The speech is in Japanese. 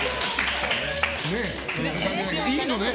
いいのね？